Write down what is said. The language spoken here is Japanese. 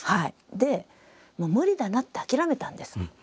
でもう無理だなって諦めたんです。